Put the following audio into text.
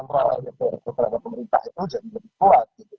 kepada pemerintah itu jadi lebih kuat